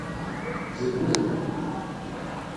Zedmen-d.